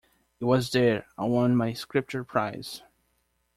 It was there I won my Scripture prize.